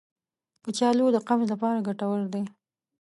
کچالو د قبض لپاره ګټور دی.